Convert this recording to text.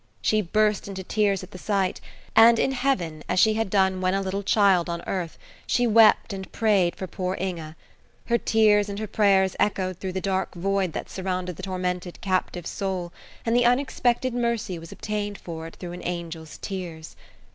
She burst into tears at the sight, and in heaven, as she had done when a little child on earth, she wept and prayed for poor Inge. Her tears and her prayers echoed through the dark void that surrounded the tormented captive soul, and the unexpected mercy was obtained for it through an angel's tears.